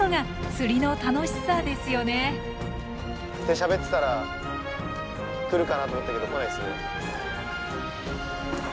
しゃべってたら来るかなと思ったけど来ないですね。